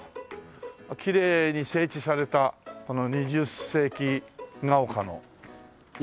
きれいに整地されたこの二十世紀が丘の家々ですね。